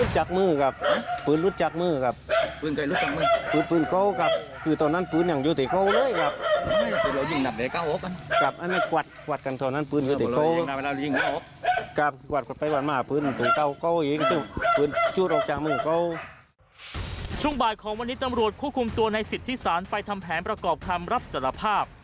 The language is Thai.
ช่วงบ่ายของวันนี้ตำรวจควบคุมตัวในสิทธิสารไปทำแผนประกอบคำรับสารภาพ